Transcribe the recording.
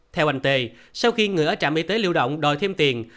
theo anh t sau khi người ở trạm y tế lưu động đòi thêm tiền